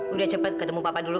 udah cepet ketemu papa dulu